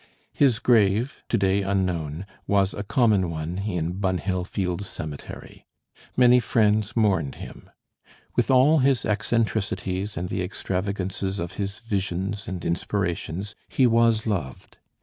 His grave, to day unknown, was a common one in Bunhill Fields Cemetery. Many friends mourned him. With all his eccentricities and the extravagances of his "visions" and "inspirations," he was loved.